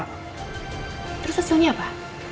terus hasilnya apa